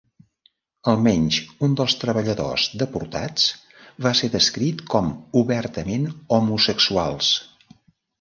Almenys un dels treballadors deportats va ser descrit com obertament homosexuals.